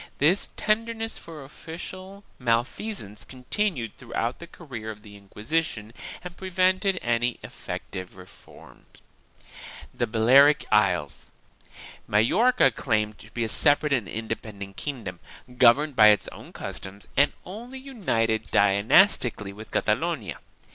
This tenderness for official malfeasance continued throughout the career of the Inquisition and prevented any effective reform. THE BALEARIC ISLES. Majorca claimed to be a separate and independent kingdom, governed by its own customs and only united dynastically with Catalonia.